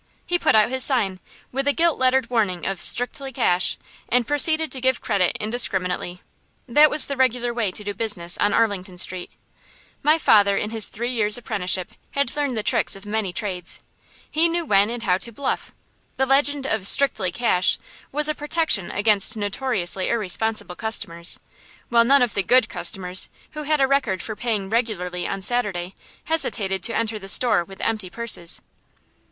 He put out his sign, with a gilt lettered warning of "Strictly Cash," and proceeded to give credit indiscriminately. That was the regular way to do business on Arlington Street. My father, in his three years' apprenticeship, had learned the tricks of many trades. He knew when and how to "bluff." The legend of "Strictly Cash" was a protection against notoriously irresponsible customers; while none of the "good" customers, who had a record for paying regularly on Saturday, hesitated to enter the store with empty purses.